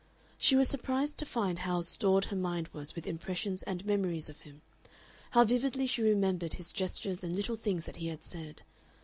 She was surprised to find how stored her mind was with impressions and memories of him, how vividly she remembered his gestures and little things that he had said.